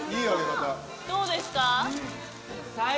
どうですか？